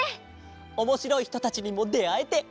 おもしろいひとたちにもであえて。